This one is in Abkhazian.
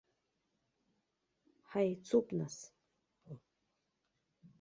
Ҳаицуп, нас.